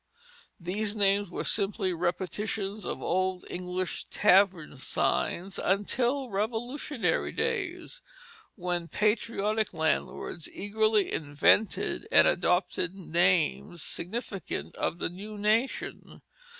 These names were simply repetitions of old English tavern signs until Revolutionary days, when patriotic landlords eagerly invented and adopted names significant of the new nation.